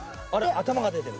頭が出てる。